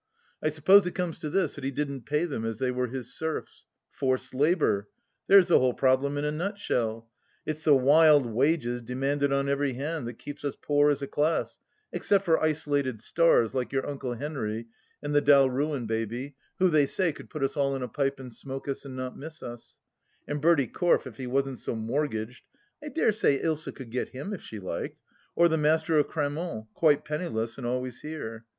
I suppose it comes to this, that he didn't pay them, as they were his serfs. Forced labour ! there's the whole problem in a nutshell. It's the wild wages demanded on every haud that keeps us poor as a class, except for isolated stars like your Uncle Henry and the Dalruan baby, who, they say, could put us all in a pipe and smoke us and not miss us ; and Bertie Corfe, if he wasn't so mortgaged — I dare say Ilsa could get him if she liked — or the Master of Cramont, quite penniless and always here.